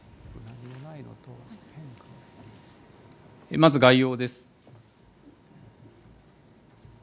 まず概要です。